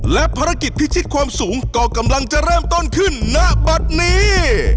และภารกิจพิชิตความสูงก็กำลังจะเริ่มต้นขึ้นณบัตรนี้